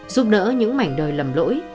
giúp đỡ những mảnh đời lầm lỗi